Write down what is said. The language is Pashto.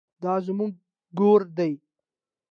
دا زموږ ګور دی؟